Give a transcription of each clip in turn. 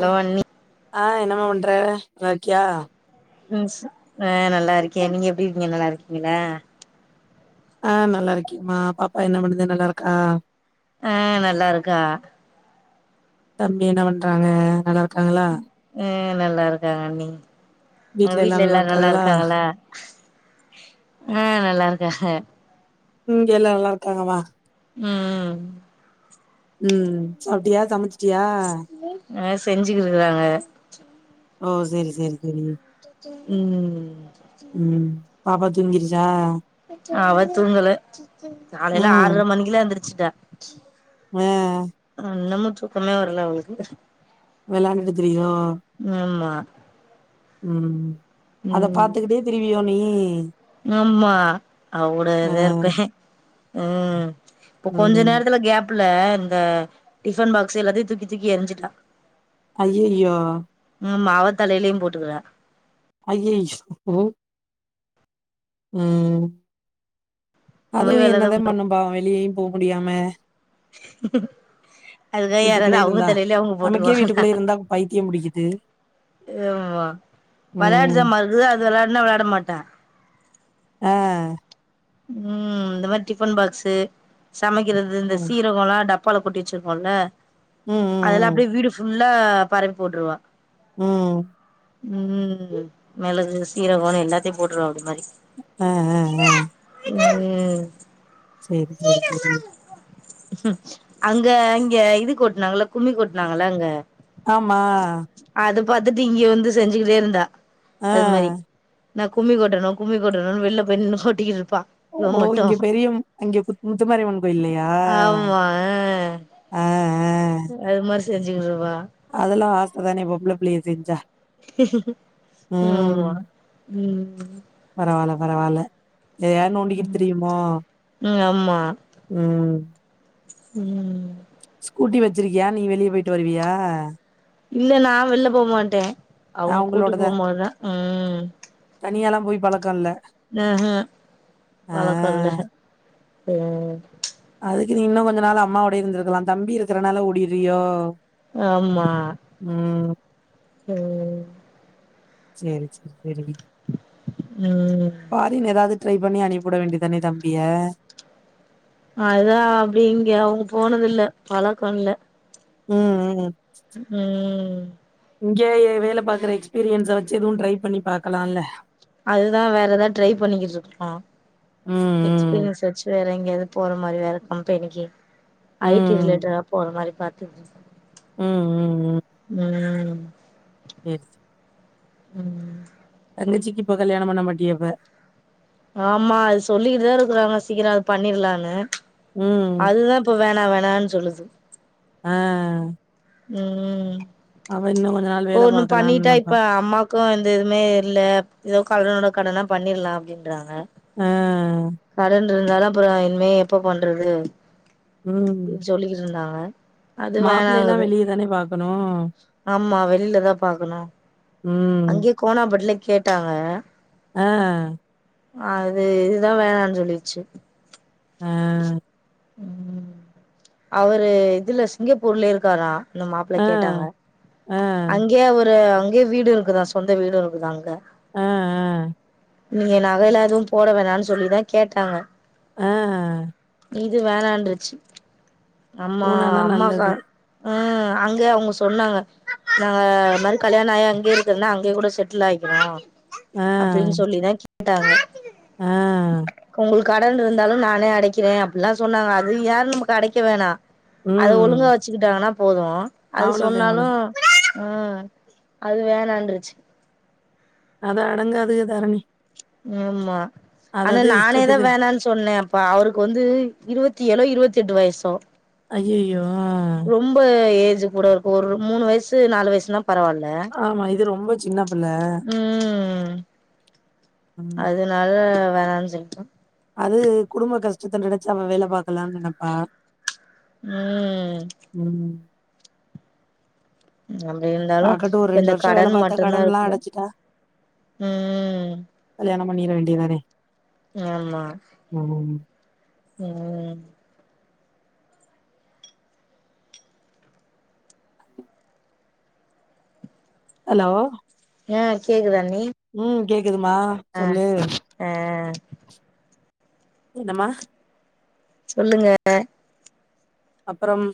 Low அண்ணி அஹ் என்னமா பண்ற நல்லாருக்கியா ம் அஹ் நல்லாருக்கே நீங்க எப்டி இருக்கீங்க நல்லாருக்கீங்களா அஹ் நல்லா இருக்கேம்மா பாப்பா என்ன பண்ணுது நல்லாருக்கா அஹ் நல்லாருக்கா தம்பி என்ன பண்றாங்க நல்லாருக் க்காங்களா ம் நல்லாருக்காங்க அண்ணி உங்க வீட்ல எல்லா வீட்டுல நல்லா எல்லாரு இருக்காங்களா? நல்லாருக்காங்களா அஹ் நல்லாருக்காஹ இங்க எல்லா நல்லாருக்காங்கமா ம் ம் ம் சாப்ட்டியா சமச்சி சியா அஹ் செஞ்சிகிட்ருக்குறாங்க ஓ சேரி சேரி சேரி ம் ம் பாப்பா தூங்கிறிச்சா அவ தூங்கல காலையில ம் ஆற்ர மணிக்குல எந்திரிச்சிட்டா ஆ அஹ் நமக் தூக்கமே வர்ல அவளுக்கு வெளாண்டுட்டு திரியு ஆமா ம் அத ம் பாத்துக்கிட்டே திரிவியோ நீ ஆமா ஆ அவுகூடயேதாருப்பே ம் இப்ப கொஞ்சோ ம் நேரத்துல கேப் ப்புல இந்த டிஃபன் பாக்ஸ்ஸ எல்லாத்தையு தூக்கி தூக்கி எரிஞ்சிட்டா அய்ய‌யோ ஆமா அவ தலையிலயு போட்டுக்குறா அய்யய்யோ ம் அதுவு என்னதா பண்ணு பாவோ வெளியயு போ முடியாம அதுக்காக யாராவது வீட்டுக்குள்ளே அவுங்க இருந்தா தலையிலயே அவுங்க நமக்கே போட்டுக்குவாங்கலா வீட்டுக்குள்ளே இருந்தா பைத்தியம் புடிக்குது அமா வெளாட்டு ம் ஜாமாருக்குல அது வெளாட்னா வெளாட மாட்டா அஹ் ம் இந்த மாரி டிஃபன் பாக்ஸு சமைக்கிறது இந்த ம் சீரகோலா டப் பால கொட்டி வச்சிருக்கோல ம் அதெல்லாம் ம் அப்டியே வீடு ஃபுல் ல்லா பரவி போட்டுருவா உம் உம் மிளகு சீரகோ எல்லாத்தையு போட்டுருவா அந்த மாரி அ அ அ அ உம் சேரி சேரி சேரி ம் அங்க அங்கே இது கொட்டுனாங்கல்ல‌ கும்மி கொட்டுனாங்கள அங்க ஆமா அத பாத்துட்டு இங்க வந்து செஞ்சுக்கின்னே இருந்தா அ அது மாரி நா கும்மி கொட்டணு கும்மி கொட்டணுனு வெளிய போய் நின்னு கொட்டினு ஓ இங்க பெரிய அங்கே முத்து மாரியம்மன் கோயில்லையா ஆமா அ அது மாரி செஞ்சுகிட்ருபா அதெல்லா ஆ அதானே பொம்பள புள்ளிங்க செஞ்சா ம் ஆமா உம் பரவால எதயா நோண்டிக்கிட்டு திரியுமோ ம் உம் உம் கூட்டி வெச்சிருக்கியா நீ வெளிய போயிட்டு வருவியா இல்ல நா வெள்ல போ மாட்டேன் அவுங்க கூட்டி ‌ அவங்களோடதா போம்போதுதா உம் தனியாலா போய் பழக்கோ இல்ல ம்ஹு பழக்கோ இல்ல ஆ உம் ப்ச் அதுக்கு நீ இன்னு கொஞ்ச நாள அம்மாவோடே இருந்திருக்கலா தம்பி இருக்கிறனால ஓடிறியோ ஆமா ம் உம் செரி சொரி செரி ம் ஃபாரின் எதாவது ட்ரை பண்ணி அனுப்பிவிட வேண்டியதுதானே தம்பிய அதா அப்படி இங்கே அவுங்க போனதில்ல பழக்கோ இல்ல உம் உம் ம் இங்கயே வேல பாக்ற எக்ஸ்பீரியன்ஸ வச்சு எதுவூ ட்ரை பண்ணி பாக்கலால்ல அதுதா வேறதா ட்ரை பண்ணிக்கிட்ருக்கோ ம் எக்ஸ்பீரியன்ஸ் வச்சு வேறெங் ங்கியாது போற மாரி வேற கம்பெனிக்கு ம் ஐ டி ம் ரிலேட்டடா போற மாரி பாத்துட்ருக்கே ம் ம் ம் ம் ம் சேரி சேரி ம் தங்கச்சிக்கு இப்ப கல்யாணோ பண்ண மாட்டியப்ப ஆமா அது சொல்லிக்கிட்டுதா இருக்கறாங்க சீக்கிரோ அது பண்ணிர்லானு ம் அதுதா இப்போ வேணா வே ணான் சொல்லுது ஆ ம் அவ இன்னு கொஞ்ச நாள் போ வேல ஒன்னு பாக்கலான்னு பண்ணிட்டா நெனப்பா இப்ப அம்மாக்கூ எந்த இதூமே இல்ல ஏதோ கடனோட கடன்னா பண்ணிட்லா அப்டின்றாங்க ஆ கடன் இருந்தாலூ அப்றோ இனிமே எப்ப பண்றது ம் இப் சொல்லிக்கிட்ருந்தாங்க [inaudible] அது மாப்பிள்ளையெல்லா வேணாங்குது வெளிய தானே பாக்கணு ஆமா வெளில தா பாக்கணூ ம் அங்கயே கோணாபேட்ல கேட்டாங்க ஆ அது இதுதா வேணான் சொல்லிச்சு ஆ ம் அவரு இதுல சிங்கப்பூர்லே இருக்காரா இந்த மாப்ளே ஆ கேட்டாங்க ஆ அங்கியே அவரு அங்கியே வீடூ இருக்குதா சொந்த வீடூ இருக்குதா அங்க ஆ ஆ நீங்க நகலா எதுவூ போட வேணான் சொல்லி தா கேட்டாங்க ஆ இது வேணான்ட்ருச்சு அமா ஊணானா அம்மாக்க நல்லது. உ அங்க அவுங்க சொன்னாங்க நாங்க மறு கல்யாணோ ஆயி அங்கியே இருக்கதுனா அங்கேய கூட செட்டில் ஆயிக்றோ ஆ, அப்டின் சொல்லி தாக் ந்தாங்க ஆ, கோய்லுக் கடன் இருந்தாலு நானே அடைக்கிற அப்டியெல்லா சொன்னாங்க அது யாரு நமக்கு அடைக் க்க வேணா அது ஒழுங்கா ம். வச்சுக்கிட்டான்னா போது அது அவ்வளோதான், சொன்னாலு அவ்வளோதான். அஹ் அது வேணான்டுருச்சி அது அடங்காதுங் தாரணி ஹம்மா அது அனா அது நானேதா இஷ்டத்துக்கு. வேணான்னு சொன்னே அப்ப அவருக்கு வந்து இருவத்தி ஏழோ இருவத்தி எட்டு வயசோ ஐயையோ ரொம்ப ஏ கூட இருக்கு ஒரு மூணு வயசு நாலு வயசுனா ஆமா இது ரொம்ப ன்னாப் உஹம் ம். அதனால வேணா சொல்ட்டோ அது குடும்ப கஷ்டத்த நெனச்சு அவ வேல பாக்கலா நினைப்பா அஹ் அப்டி இருந்தாலு பாக்கட்டும் ஒரு இந்த வருஷம் வேல கடன் பாத்தா மட்டு தான் கடன்லாம் இருக்குது அடச்சுட்டா, உம் கல்யாணம் பண்ணிற வேண்டியதானே யாமா ஹும் ஹலோ எ கேக்குதா உம் கேக்குதுமா சொல்லு ஆ என்னம்மா சொல்லுங்க அப்புறோம்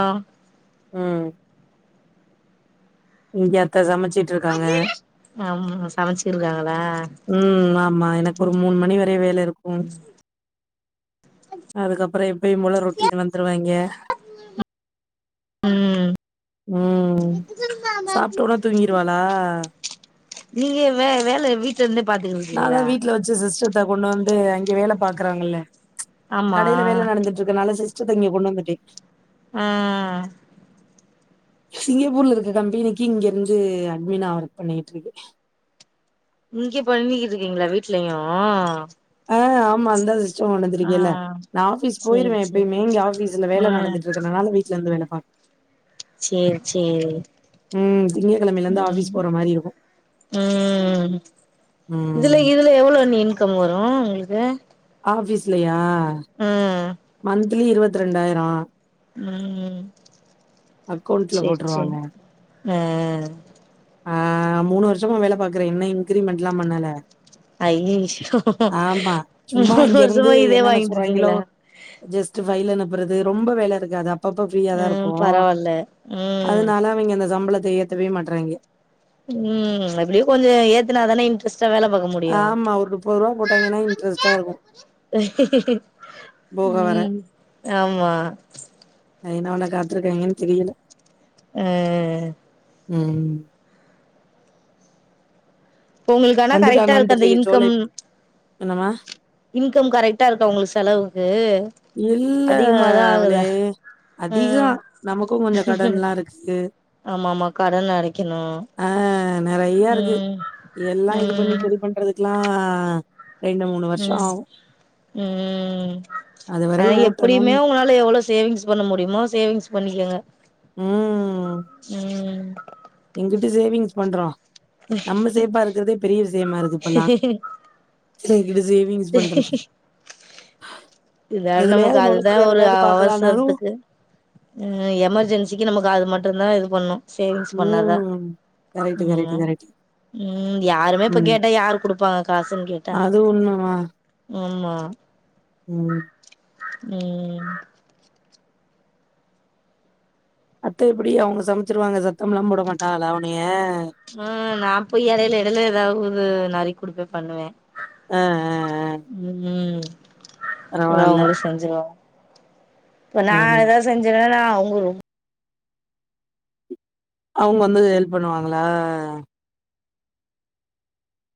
ஆ உம் இங்கயா ஆத்த சமச் ஆம் சமச்சிருக்காங்களா உம் ஆமா எனக்கு ஒரு மூணு மணி வரையு வேல இருக்கு அதுகப் அப்புறோ எப்பயு போல ரொட்டிட்டு வந்துருவாங்க ம் உம் சாப்ட்டோன தூங்கிருவாளா நீங்க வே வேல வீட் நாதா வீட்ல வெச்சு சிஸ்டத்த கொண்டு வந் து அங்கெ வேல பாக்குறாங்கள்ளே ச் ஆமா கடையில வேல நடந்துட்டு இருக்கனால சிஸ் டத்த இங்கே கொண்டு வந்துட்டே ஆ சிங்கப்பூர்ல இருக்க கம்பெனிக்கு இங்க இருந்து அட்மினா ஒர்க் பண்ணிக்ட்டுருக்கே இங்கே பண்ணிகிட்டு இருக்கீங்களா வீட்லயு ஆ ஆமா இந்தா சிஸ்டம் ஆ கொண்டுவந்திருக்கியல்ல நா ஆஃபீஸ் சேரி போயிருவே சேரி எப்பயுமே இங்க ஆஃபீஸ்ல ஆ வேல நடந்துட்டு இருக்குறதுனால வீட்டுல இருந்து வேலைப்பாக் சேரி சே ம். திங்கட்கிழமையில இருந்து உம் ஆஃபீஸ் போற மாரி இருக்கும். உம் இதுல ம். இதுல எவ்ளோ அண்ணி இன்கம் வரு உங்ளுக்கு ஆஃபீஸ்லயா உம் மந்த்திலி இருவத் ரெண்டாயிரோ உம் அக்கவுண்ட்ல செரி சேரி போட்டுருவாங்க. ஆ ஆ மூணு வருஷமா வேல பாக்குற இன்ன இன்கிரிமென்ட்லா பண்ணல ஐயேயோ ஆமா. சும்மா மூணு இங்கேருந்து வருஷமா இதே வாங்கிட்டு இருக்கீங்களா ஜஸ்ட்டு ஃபைல் அனுப்புறது ரொம்ப வேல இருக்காது அப் ப்பப்ப ஃபிரீயாதா ம் இருப்போ பரவால்ல ம் அதனால அவிங்க அந்த சம்பளத் த ஏத்தவே மாட்றாய்ங்க உம் எப்படியோ கொஞ்சோ ஏத்துனாதான இன்ட்ரெஸ்ட் டா வேல பாக்க முடியு ஆமா. ஒரு ரூ. போட்டாய்ங்கன்னா இன்ட்ரெஸ்ட்டா இருக்கும். போக வர. உம் ஆமா அ என்ன பண்ண காத்திருக்காய்ங்கன் தெரியல அ அ அ உம் இப்ப உங்களுக்கு ஆனா கரெட்டா ருக்கு அந்த இன்கம் என்னமா இன்கம் கரெக்ட்டா ருக்கா உங்ளுக்கு செலவுக்கு இல்ல அதிகமாதா அவளே. ஆகுதா உம் அதிகம். நமக்கும் கொஞ்சம் கடன்லாம் இருக்கு. ஆமாமா கடன் அடைக்கணு உம் எல்லா இது பண்ணி சரி பண்றதுக்குலா ரெண்டு மூணு வர்ஷொ ஆகு உம் ஹ ஓட்டணுன் எப்படியுமே உங்களால எவ்ளவ் சேவிங்ஸ் பண்ண முடியுமோ சேவிங்ஸ் பண்ணிக்கங்க ம் உம் எங்கிட்டு சேவிங்ஸ் பண்றோ நம்ம சேஃப்பா இருக்கறதே பெரிய விஷயமாருக்கு இப்பல்லா செரி இத சேவிங்ஸ் பண்றது இதால நமக்கு எதுலயாவது அதுதா நொழஞ்சு வேற ஒரு ஏதாவது பாக்கலான்னாலும் அவசரத்துக்கு ம் எமர்ஜென்சிக்கு நமக்கு அது மட்டு னா இது பண்ணு சேவிங்ஸ் பண்ணாதா ம். கரெக்ட்டு, கரெக்ட்டு, உம் கரெக்ட்டு. உம் யாருமே இப்ப ம். கேட்டா யாரு குடுப்பாங்க காசுன் கேட்டா அது உண்மமா. ஆமா ம். உம் அத்த எப்பிடி அவுங்கள சமைச்சிருவாங்க சத்தம்லா போட மாட்டாங்லா உன்னைய ஆ நா போய் எடையில எடையில ஏதாவது நறுக்கி குடுப்பே பண்ணுவே அ, அ, அ. உம் அது பரவால்ல. அவுங்களே செஞ்சுருவோ இப்ப நா ம். ஏதா செஞ்சன்னா நா அவுங்க ரொம் அவுங்க வந்து ஹெல்ப் பண்ணுவாங்களா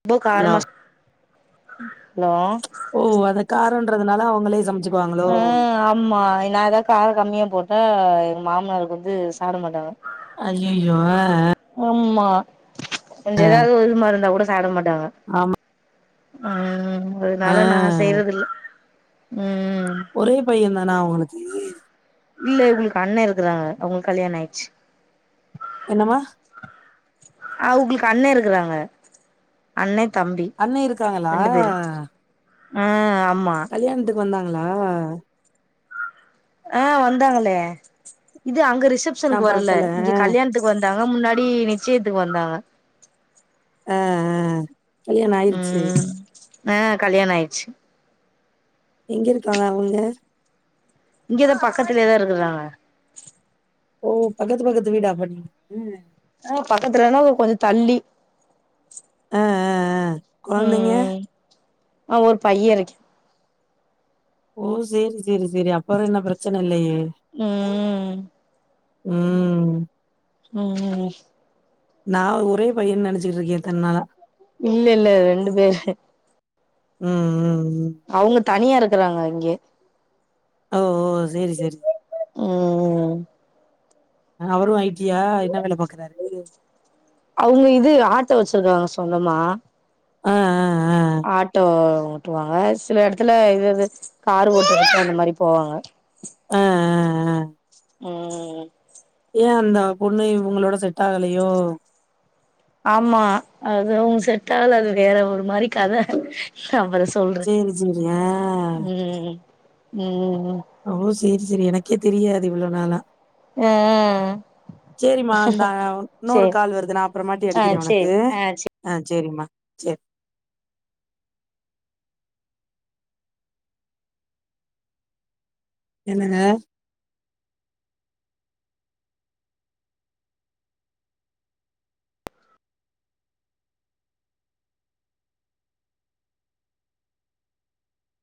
ரொம்ப இல்ல காரமா ச ஹலோ ன்றதுனால அவுங்களே சமைச் ஆஹ் ஆமா நா ஏதா காரோ கம்மியா போட்டா எங்க மாமனாருக்கு வந்து சாப்ட மாட்டாங்க அய்யய்யோ ஆமா கொஞ்சோ ஏதாவது [unintelligible] மாருந்தா கூட சாப்டமாட் டாங்க ஆமா. உம் அ அதனால நா செய்யறதில்ல உம் ஒரே பையன் தானா அவங்களுக்கு? இல்ல இவுங்களுக்கு அண்ண இருக்குறாங்க அவுங்களுக்கு கல்யாணோ ஆயிச்சு என்னம்மா ஆஹ் அவுங்களுக்கு அண்ண இருக்கறாங்க அண்ண அண்ண இருக்காங்களா உம் கல்யாணத்துக்கு வந்தாங் களா ஆஹ் வந்தாங்களே இது அங்க இருக் நா ரிசப்ஷனுக்கு வரல பாக்கல இங்க கல்யணத்துக்கு வந்தாங் றோம் முன்னாடி நிச்சயத்துக்கு வந்தாங்க ஆஹ் ஆஹ் கல்யாணோ ஆயிருச்சு ஆஹ் கல்யாண ஆயிடுச்சு எங்க இருக்காங்க அவங்க இங்கதா பக்கத்திலயேதா இருக்குறாங்க ஓ பக்கத்து பக்கத்தண வீடா அப்ப நீனு ஆஹ் பக்கத்துலனா கொஞ்சோ தள்ளி ஆஹ் ஆஹ் ஆஹ் உம் உம் ஆஹ் ஒரு பையன் இருக்கு ஓ சேரி செரி செரி அப்பறோ என்ன பெரச்சன இல்லயே உம் உம் உம் உம் நா ஒரே பையன் நெனச்சிட்டு இருக்க இத்தன்னால இல்ல இல்ல ரெண்டு பேரு உம் உம் அவங்க தனியா இருக்கறாங்க இங்கே ஓ ஓ சேரி சேரி உம் உம் அவரு ஐ டி யா என்ன வேல பாக்குறாரு அவங்க இது ஆட்டோ வச்சிருக்காங்க சொந்தமா ஆஹ் ஆஹ் ஆட்டோ ஓட்டுவாங்க சில இடத்துல ஏதாவது காரு ஓட்ட அந்த மாரி போவாங்க ஆஹ் உம் ஏன் அந்த பொண்ணு இவுங்களோட செட் ஆகலையோ ஆமா அது அவுங்க செட்டாகல அது வேற ஒரு மாரி கத நா அப்பற சொல்றே சேரி சேரி ஆஹ் உம் அவ்ளோ சி சேரி சேரி எனக்கே தெரியாது இவ்ளோ நாளா ஆ சேரிமா இந்தா இன்னொரு சேரி கால் வருது நான் அப்புறமாட்டி ஆ அடிக்கிறேன் உனக்கு சேரி ஆ சேரி ஆஹ் சேரிம்மா சேரி என்னங்க